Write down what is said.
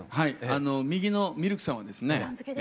右のミルクさんはですね。